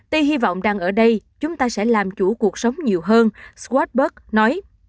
tuy hy vọng đang ở đây chúng ta sẽ làm chủ cuộc sống nhiều hơn schwartzberg nói